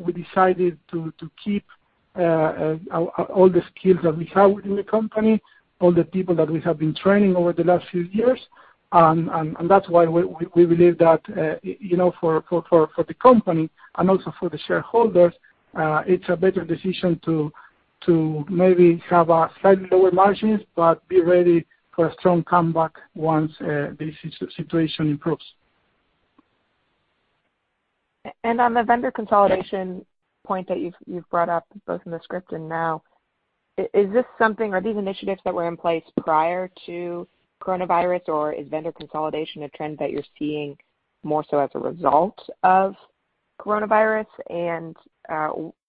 we decided to keep all the skills that we have in the company, all the people that we have been training over the last few years. That's why we believe that for the company and also for the shareholders, it's a better decision to maybe have slightly lower margins, but be ready for a strong comeback once the situation improves. On the vendor consolidation point that you've brought up both in the script and now, are these initiatives that were in place prior to coronavirus, or is vendor consolidation a trend that you're seeing more so as a result of coronavirus?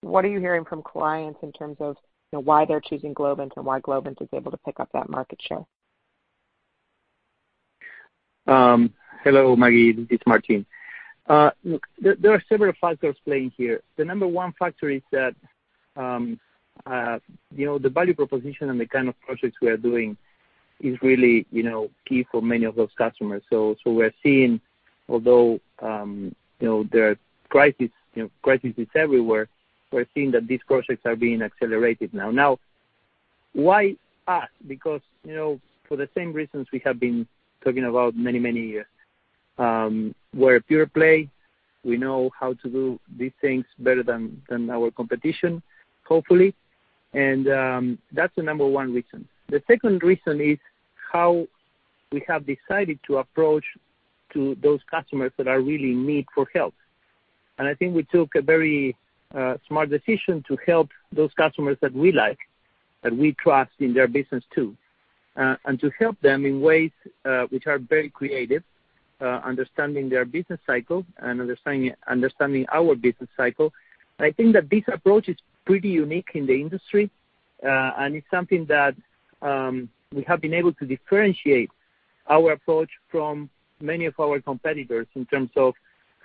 What are you hearing from clients in terms of why they're choosing Globant and why Globant is able to pick up that market share? Hello, Maggie. This is Martín. Look, there are several factors playing here. The number one factor is that the value proposition and the kind of projects we are doing is really key for many of those customers. We're seeing, although there are crisis is everywhere, we're seeing that these projects are being accelerated now. Now, why us? Because for the same reasons we have been talking about many years. We're a pure play. We know how to do these things better than our competition, hopefully. That's the number one reason. The second reason is how we have decided to approach to those customers that are really in need for help. I think we took a very smart decision to help those customers that we like, that we trust in their business too. To help them in ways which are very creative, understanding their business cycle and understanding our business cycle. I think that this approach is pretty unique in the industry, and it's something that we have been able to differentiate our approach from many of our competitors in terms of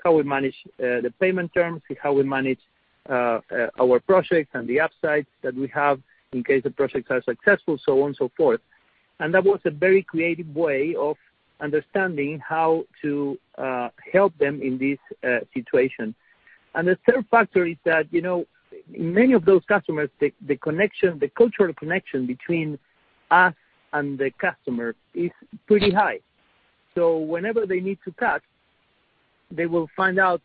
how we manage the payment terms, how we manage our projects and the upsides that we have in case the projects are successful, so on and so forth. That was a very creative way of understanding how to help them in this situation. The third factor is that many of those customers, the cultural connection between us and the customer is pretty high. Whenever they need to cut, they will find out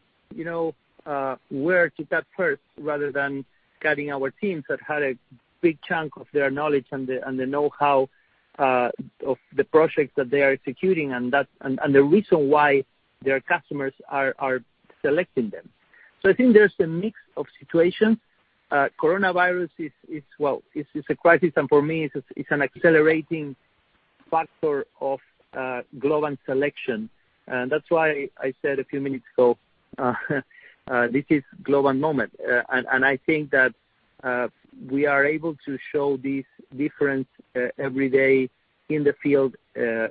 where to cut first, rather than cutting our teams that had a big chunk of their knowledge and the know-how of the projects that they are executing and the reason why their customers are selecting them. I think there's a mix of situations. Coronavirus, well, it's a crisis, and for me, it's an accelerating factor of Globant selection. That's why I said a few minutes ago, this is Globant moment. I think that we are able to show this difference every day in the field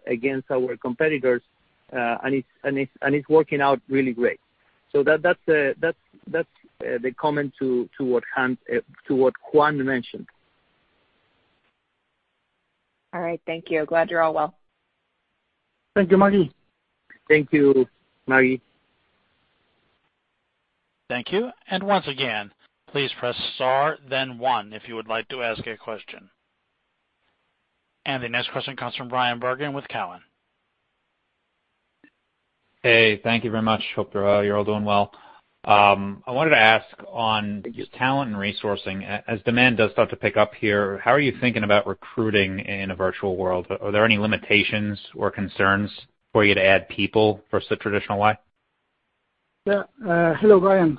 against our competitors, and it's working out really great. That's the comment to what Juan mentioned. All right. Thank you. Glad you're all well. Thank you, Maggie. Thank you, Maggie. Thank you. Once again, please press star then one if you would like to ask a question. The next question comes from Bryan Bergin with Cowen. Hey, thank you very much. Hope you're all doing well. I wanted to ask on talent and resourcing. As demand does start to pick up here, how are you thinking about recruiting in a virtual world? Are there any limitations or concerns for you to add people versus the traditional way? Hello, Bryan.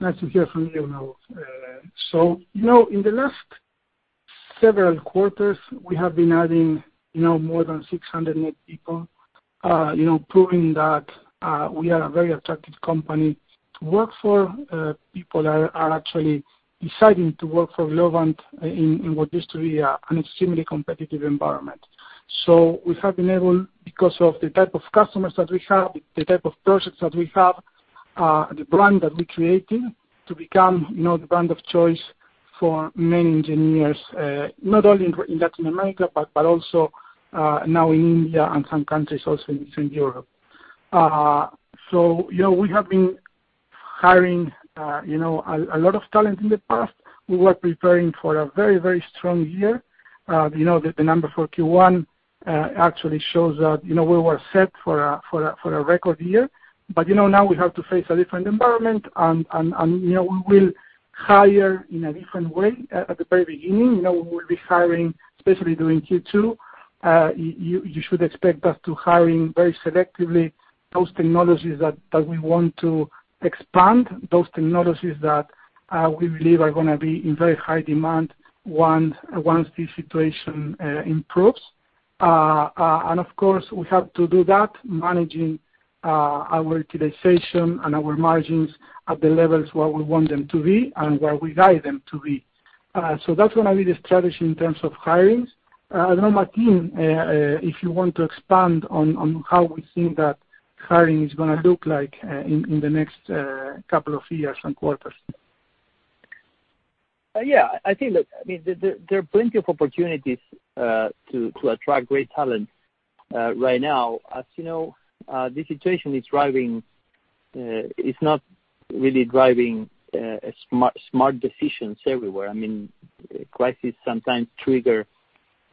Nice to hear from you now. In the last several quarters, we have been adding more than 600 net people, proving that we are a very attractive company to work for. People are actually deciding to work for Globant in what used to be an extremely competitive environment. We have been able, because of the type of customers that we have, the type of projects that we have-The brand that we created to become the brand of choice for many engineers, not only in Latin America, but also now in India and some countries also in Eastern Europe. We have been hiring a lot of talent in the past. We were preparing for a very strong year. The number for Q1 actually shows that we were set for a record year. Now we have to face a different environment, and we will hire in a different way at the very beginning. We will be hiring, especially during Q2. You should expect us to hire very selectively those technologies that we want to expand, those technologies that we believe are going to be in very high demand once this situation improves. Of course, we have to do that managing our utilization and our margins at the levels where we want them to be and where we guide them to be. That's going to be the strategy in terms of hirings. I don't know, Martín, if you want to expand on how we think that hiring is going to look like in the next couple of years and quarters. Yeah. I think there are plenty of opportunities to attract great talent right now. As you know, this situation is not really driving smart decisions everywhere. Crisis sometimes trigger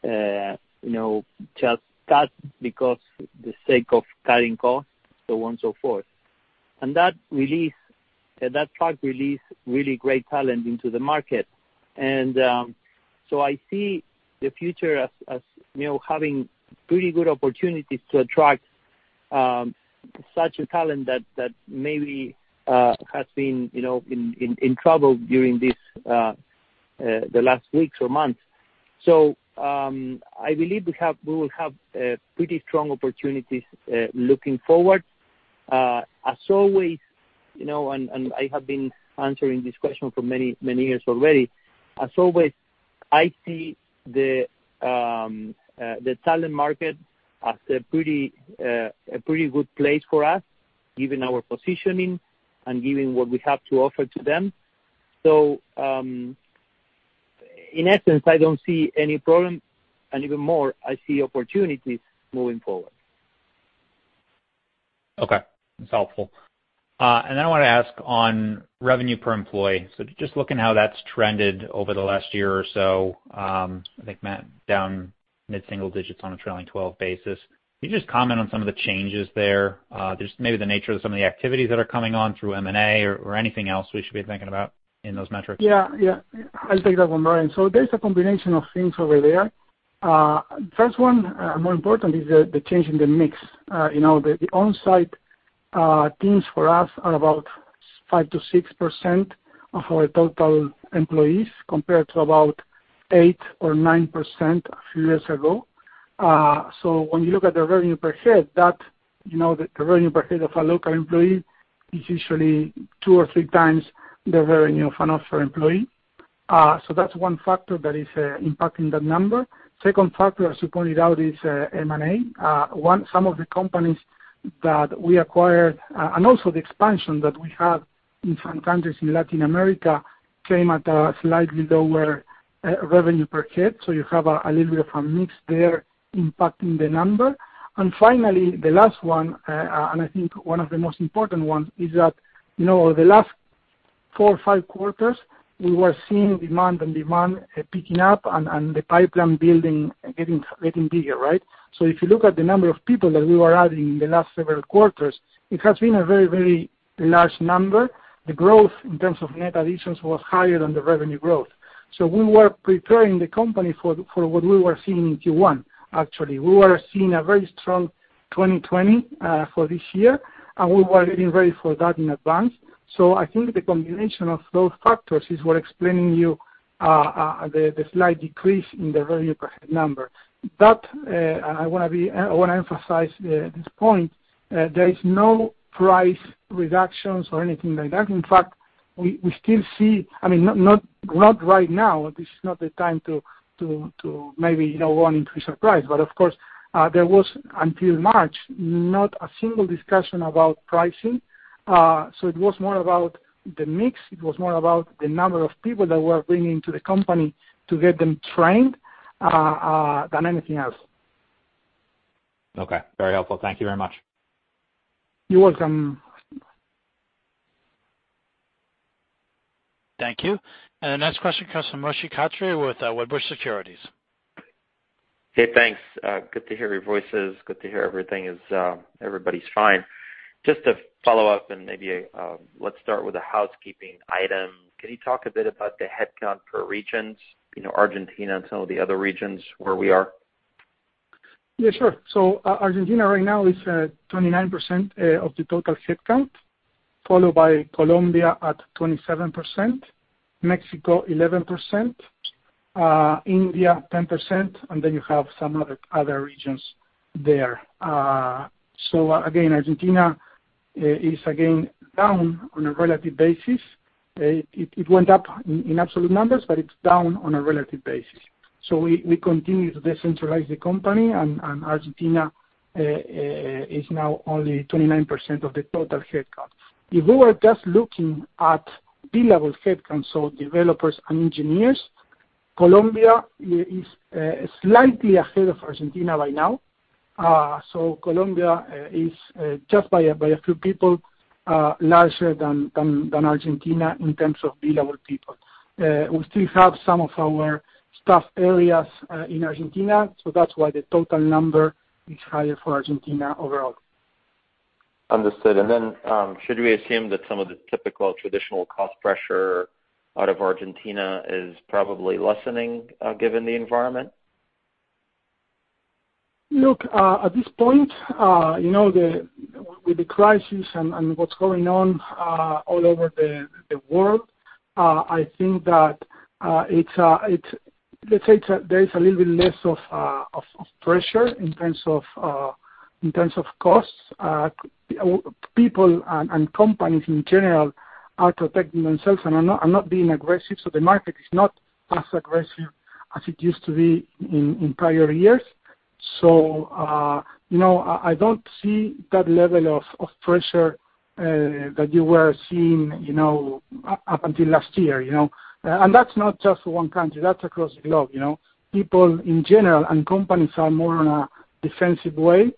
just cuts for the sake of cutting costs, so on so forth. That releases really great talent into the market. I see the future as having pretty good opportunities to attract such a talent that maybe has been in trouble during the last weeks or months. I believe we will have pretty strong opportunities looking forward. As always, and I have been answering this question for many years already. As always, I see the talent market as a pretty good place for us, given our positioning and given what we have to offer to them. In essence, I don't see any problem, and even more, I see opportunities moving forward. Okay. That's helpful. I want to ask on revenue per employee. Just looking how that's trended over the last year or so, I think, Matt, down mid-single digits on a trailing 12 basis. Can you just comment on some of the changes there, just maybe the nature of some of the activities that are coming on through M&A or anything else we should be thinking about in those metrics? Yeah. I'll take that one, Bryan Bergin. There's a combination of things over there. First one, more important, is the change in the mix. The on-site teams for us are about 5%-6% of our total employees, compared to about 8% or 9% a few years ago. When you look at the revenue per head, the revenue per head of a local employee is usually two or three times the revenue of an offshore employee. That's one factor that is impacting that number. Second factor, as you pointed out, is M&A. Some of the companies that we acquired and also the expansion that we have in some countries in Latin America came at a slightly lower revenue per head. You have a little bit of a mix there impacting the number. Finally, the last one, and I think one of the most important ones is that, the last four or five quarters, we were seeing demand and demand picking up and the pipeline building getting bigger, right? If you look at the number of people that we were adding in the last several quarters, it has been a very large number. The growth in terms of net additions was higher than the revenue growth. We were preparing the company for what we were seeing in Q1, actually. We were seeing a very strong 2020 for this year, and we were getting ready for that in advance. I think the combination of those factors is what explaining you the slight decrease in the revenue per head number. That, and I want to emphasize this point, there is no price reductions or anything like that. In fact, we still see not right now, this is not the time to maybe want increase our price. Of course, there was, until March, not a single discussion about pricing. It was more about the mix. It was more about the number of people that we're bringing to the company to get them trained, than anything else. Okay. Very helpful. Thank you very much. You're welcome. Thank you. The next question comes from Moshe Katri with Wedbush Securities. Hey, thanks. Good to hear your voices. Good to hear everybody's fine. Just to follow up and maybe let's start with a housekeeping item. Can you talk a bit about the headcount per regions, Argentina and some of the other regions where we are? Yeah, sure. Argentina right now is 29% of the total headcount, followed by Colombia at 27%, Mexico 11%, India 10%, and then you have some other regions there. Again, Argentina is again down on a relative basis. It went up in absolute numbers, but it's down on a relative basis. We continue to decentralize the company, and Argentina is now only 29% of the total headcount. If we were just looking at billable headcounts, so developers and engineers, Colombia is slightly ahead of Argentina right now. Colombia is just by a few people larger than Argentina in terms of billable people. We still have some of our staff areas in Argentina, so that's why the total number is higher for Argentina overall. Understood. Should we assume that some of the typical traditional cost pressure out of Argentina is probably lessening given the environment? Look, at this point, with the crisis and what's going on all over the world, I think that there is a little bit less of pressure in terms of costs. People and companies in general are protecting themselves and are not being aggressive, so the market is not as aggressive as it used to be in prior years. No, I don't see that level of pressure that you were seeing up until last year. That's not just one country, that's across the globe. People in general and companies are more in a defensive way.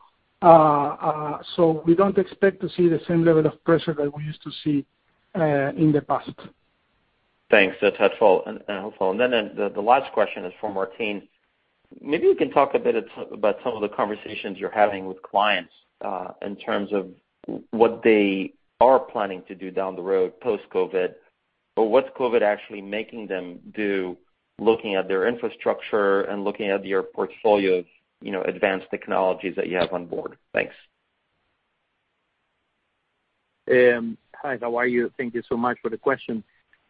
We don't expect to see the same level of pressure that we used to see in the past. Thanks. That's helpful. Then the last question is for Martín. Maybe you can talk a bit about some of the conversations you're having with clients in terms of what they are planning to do down the road post-COVID-19, or what's COVID-19 actually making them do, looking at their infrastructure and looking at your portfolio of advanced technologies that you have on board. Thanks. Hi, how are you? Thank you so much for the question.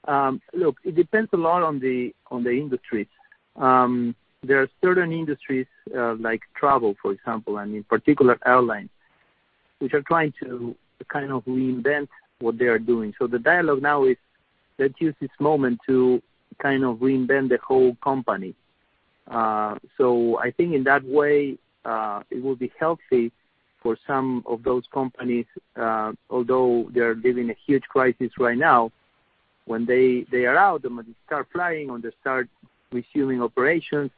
It depends a lot on the industries. There are certain industries like travel, for example, and in particular, airlines, which are trying to kind of reinvent what they are doing. The dialogue now is, let's use this moment to kind of reinvent the whole company. I think in that way, it will be healthy for some of those companies, although they are living a huge crisis right now. When they are out and when they start flying or they start resuming operations,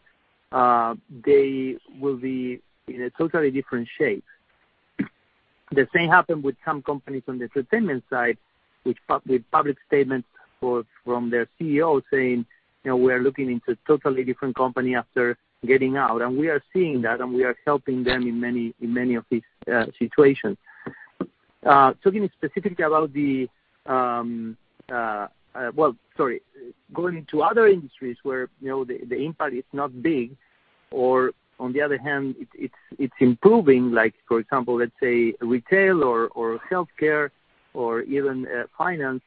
they will be in a totally different shape. The same happened with some companies on the entertainment side, with public statements from their CEO saying, "We are looking into a totally different company after getting out." We are seeing that, and we are helping them in many of these situations. Going into other industries where the impact is not big or, on the other hand, it's improving, like for example, let's say retail or healthcare or even finance,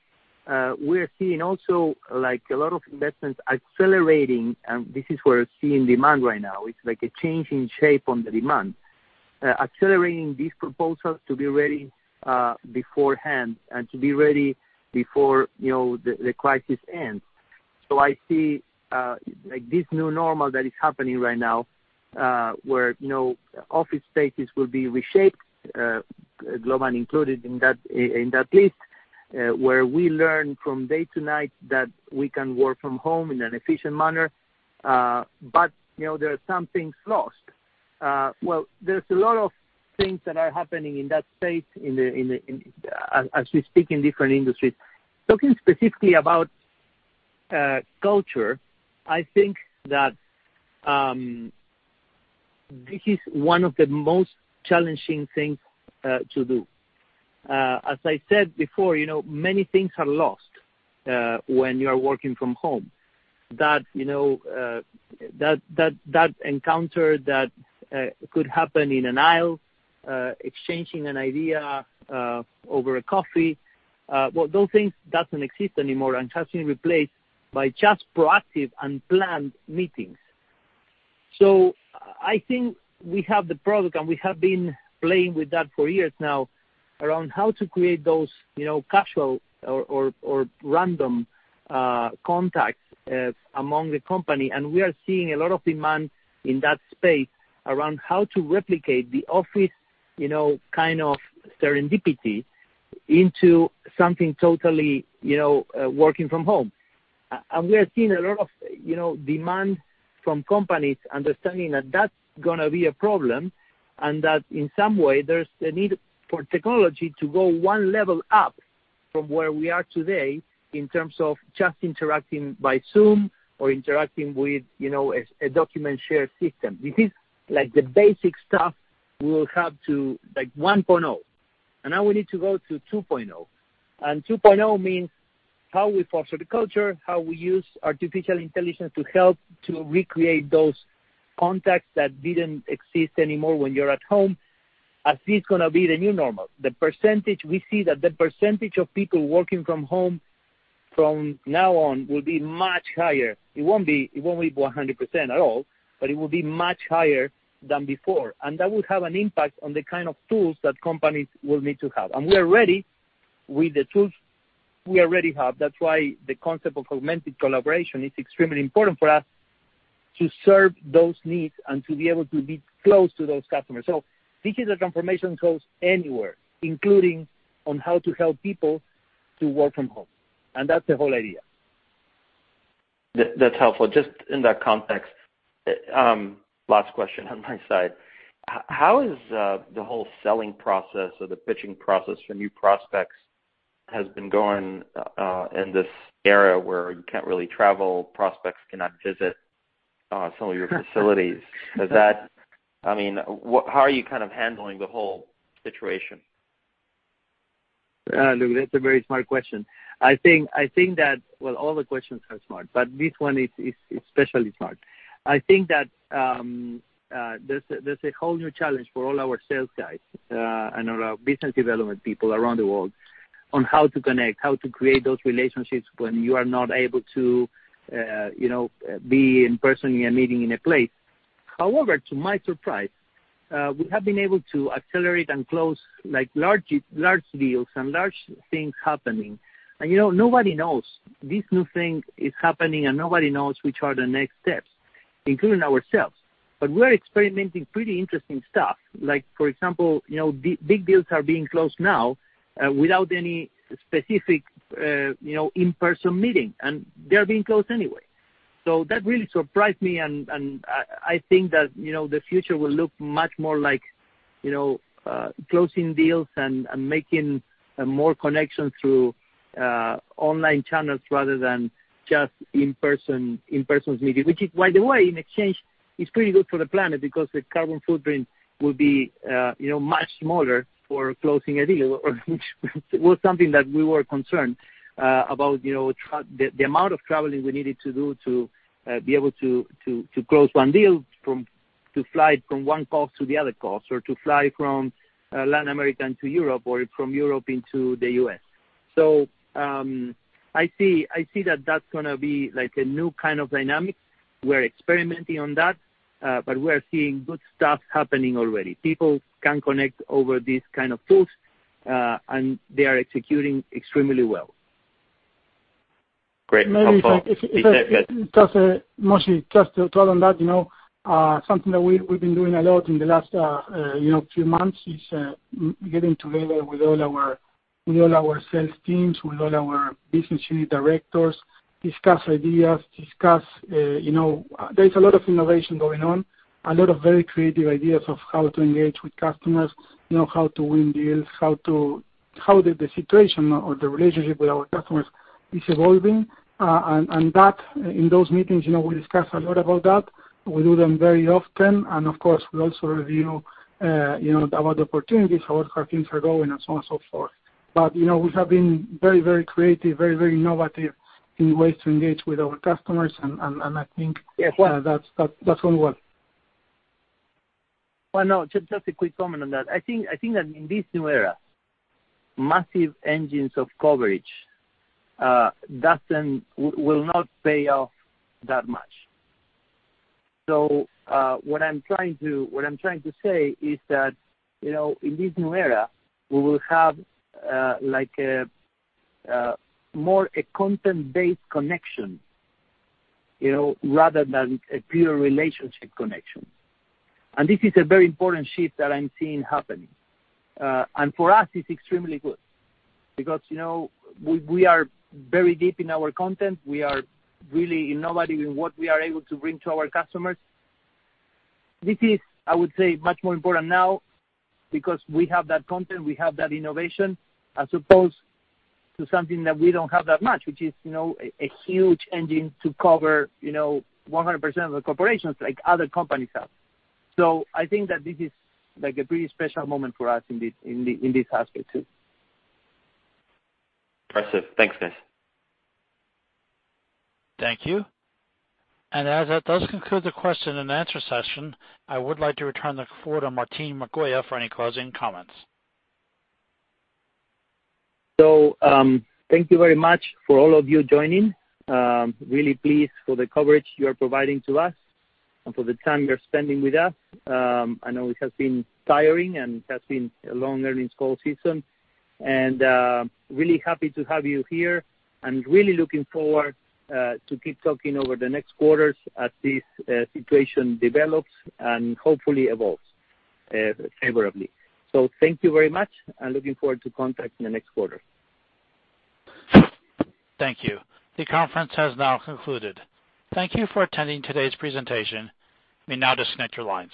we are seeing also a lot of investments accelerating. This is where seeing demand right now, it's like a change in shape on the demand, accelerating these proposals to be ready beforehand and to be ready before the crisis ends. I see this new normal that is happening right now, where office spaces will be reshaped, Globant included in that list, where we learn from day to night that we can work from home in an efficient manner. There are some things lost. Well, there's a lot of things that are happening in that space as we speak in different industries. Talking specifically about culture, I think that this is one of the most challenging things to do. As I said before, many things are lost when you are working from home, that encounter that could happen in an aisle, exchanging an idea over a coffee. Those things don't exist anymore and have been replaced by just proactive and planned meetings. I think we have the product, and we have been playing with that for years now, around how to create those casual or random contacts among the company. We are seeing a lot of demand in that space around how to replicate the office kind of serendipity into something totally working from home. We are seeing a lot of demand from companies understanding that that's going to be a problem, and that in some way, there's a need for technology to go one level up from where we are today in terms of just interacting by Zoom or interacting with a document share system. This is like the basic stuff we will have to, like 1.0. Now we need to go to 2.0. 2.0 means how we foster the culture, how we use artificial intelligence to help to recreate those contacts that didn't exist anymore when you're at home. I see it's going to be the new normal. We see that the percentage of people working from home from now on will be much higher. It won't be 100% at all, but it will be much higher than before. That will have an impact on the kind of tools that companies will need to have. We are ready with the tools we already have. That's why the concept of augmented collaboration is extremely important for us to serve those needs and to be able to be close to those customers. Digital transformation goes anywhere, including on how to help people to work from home. That's the whole idea. That's helpful. Just in that context, last question on my side. How has the whole selling process or the pitching process for new prospects been going in this era where you can't really travel, prospects cannot visit some of your facilities? How are you handling the whole situation? Look, that's a very smart question. Well, all the questions are smart, but this one is especially smart. I think that there's a whole new challenge for all our sales guys and our business development people around the world on how to connect, how to create those relationships when you are not able to be in person in a meeting in a place. However, to my surprise, we have been able to accelerate and close large deals and large things happening. Nobody knows. This new thing is happening, and nobody knows which are the next steps, including ourselves. We're experimenting pretty interesting stuff. Like for example, big deals are being closed now without any specific in-person meeting, and they're being closed anyway. That really surprised me, and I think that the future will look much more like closing deals and making more connections through online channels rather than just in-person meetings. Which is, by the way, in exchange, is pretty good for the planet because the carbon footprint will be much smaller for closing a deal, which was something that we were concerned about. The amount of traveling we needed to do to be able to close one deal, to fly from one coast to the other coast, or to fly from Latin America into Europe or from Europe into the U.S. I see that that's going to be a new kind of dynamic. We're experimenting on that, but we are seeing good stuff happening already. People can connect over these kind of tools, and they are executing extremely well. Great. Helpful. Just to add on that, something that we've been doing a lot in the last few months is getting together with all our sales teams, with all our business unit directors, discuss ideas. There's a lot of innovation going on, a lot of very creative ideas of how to engage with customers, how to win deals, how the situation or the relationship with our customers is evolving. In those meetings, we discuss a lot about that. We do them very often. Of course, we also review about the opportunities, how things are going and so on and so forth. We have been very creative, very innovative in ways to engage with our customers. Yes that's going to work. No, just a quick comment on that. I think that in this new era, massive engines of coverage will not pay off that much. What I'm trying to say is that, in this new era, we will have more a content-based connection rather than a pure relationship connection. This is a very important shift that I'm seeing happening. For us, it's extremely good because we are very deep in our content. We are really innovating in what we are able to bring to our customers. This is, I would say, much more important now because we have that content, we have that innovation, as opposed to something that we don't have that much, which is a huge engine to cover 100% of the corporations like other companies have. I think that this is a pretty special moment for us in this aspect, too. Impressive. Thanks, guys. Thank you. As that does conclude the question and answer session, I would like to return the floor to Martín Migoya for any closing comments. Thank you very much for all of you joining. Really pleased for the coverage you are providing to us and for the time you're spending with us. I know it has been tiring, and it has been a long earnings call season. Really happy to have you here and really looking forward to keep talking over the next quarters as this situation develops and hopefully evolves favorably. Thank you very much and looking forward to contact in the next quarter. Thank you. The conference has now concluded. Thank you for attending today's presentation. You may now disconnect your lines.